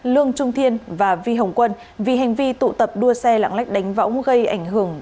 lương trung thiên và vi hồng quân vì hành vi tụ tập đua xe lạng lách đánh võng gây ảnh hưởng